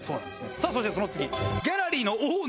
さあそしてその次。